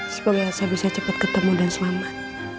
supaya elsa bisa cepet ketemu dan selamat